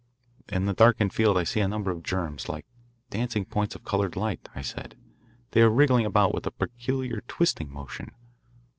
"In the darkened field I see a number of germs like dancing points of coloured light," I said. "They are wriggling about with a peculiar twisting motion."